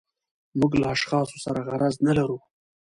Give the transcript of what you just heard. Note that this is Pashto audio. موږ له اشخاصو سره غرض نه لرو.